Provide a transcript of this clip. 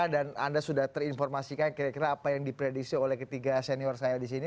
dan anda sudah terinformasikan kira kira apa yang diprediksi oleh ketiga senior saya di sini